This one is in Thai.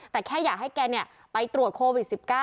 แต่แค่อยากให้แกไปตรวจโควิด๑๙